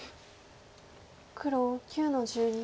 黒９の十二。